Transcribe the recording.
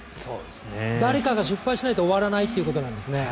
誰かが失敗しないと終わらないということなんですね。